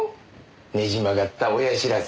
ねじ曲がった親知らず。